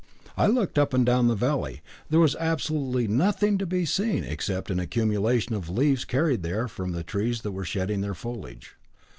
I looked up and down the valley there was absolutely nothing to be seen except an accumulation of leaves carried there from the trees that were shedding their foliage.